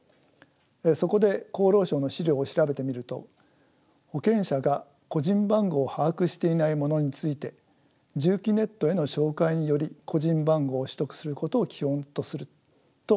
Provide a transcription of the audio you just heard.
そこで厚労省の資料を調べてみると保険者が個人番号を把握していない者について住基ネットへの照会により個人番号を取得することを基本とすると記載されていました。